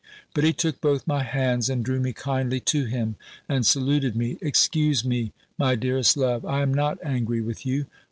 But he took both my hands, and drew me kindly to him, and saluted me, "Excuse me, my dearest love: I am not angry with you.